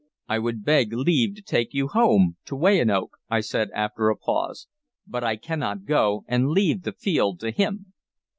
"I would beg leave to take you home, to Weyanoke," I said after a pause, "but I cannot go and leave the field to him."